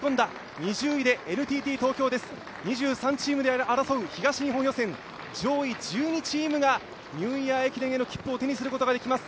２３チームで争う東日本予選、上位１２チームがニューイヤー駅伝への切符を手にすることができます。